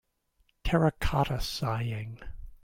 Terracotta Sighing.